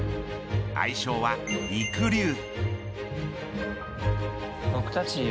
愛称はりくりゅう。